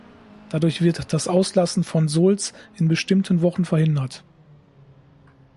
Dadurch wird das Auslassen von Sols in bestimmten Wochen verhindert.